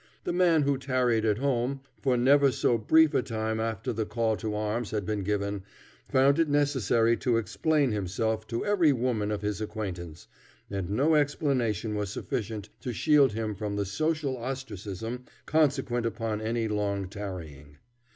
The man who tarried at home for never so brief a time, after the call to arms had been given, found it necessary to explain himself to every woman of his acquaintance, and no explanation was sufficient to shield him from the social ostracism consequent upon any long tarrying.